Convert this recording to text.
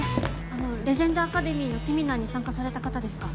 あのレジェンドアカデミーのセミナーに参加された方ですか？